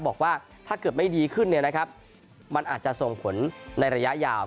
บอกว่าถ้าเกิดไม่ดีขึ้นมันอาจจะส่งผลในระยะยาว